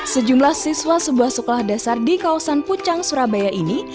sejumlah siswa sebuah sekolah dasar di kawasan pucang surabaya ini